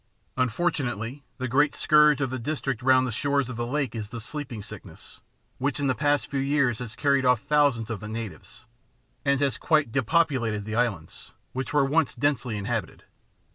Unfortunately the great scourge of the district round the shores of the Lake is the sleeping sickness, which in the past few years has carried off thousands of the natives, and has quite depopulated the islands, which were once densely inhabited.